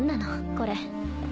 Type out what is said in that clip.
これ。